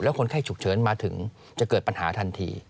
คนไข้ฉุกเฉินมาถึงจะเกิดปัญหาทันที